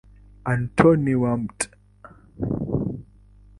Antoni wa Mt.